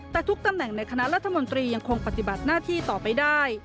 แต่ทุกตำแหน่งในคณะรัฐมนตรียังคงปฏิบัติหน้าที่ต่อไปได้